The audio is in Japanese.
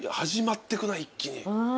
始まってくな一気に。